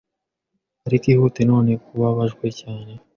Ariko ihute none kubabajwe cyane